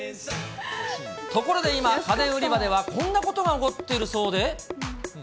ところで今、家電売り場ではこんなことが起こっているそうで。